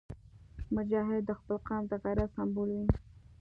مجاهد د خپل قوم د غیرت سمبول وي.